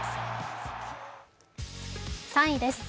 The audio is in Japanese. ３位です。